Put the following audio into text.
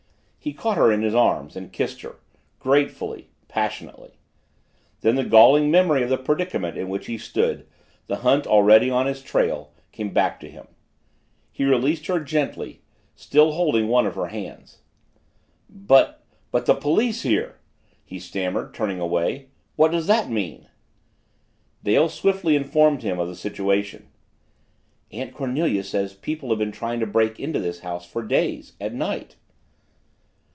He caught her in his arms and kissed her gratefully, passionately. Then the galling memory of the predicament in which he stood, the hunt already on his trail, came back to him. He released her gently, still holding one of her hands. "But the police here!" he stammered, turning away. "What does that mean?" Dale swiftly informed him of the situation. "Aunt Cornelia says people have been trying to break into this house for days at night."